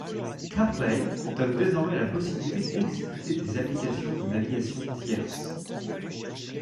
CarPlay donne désormais la possibilité d'exécuter des applications de navigation tierces.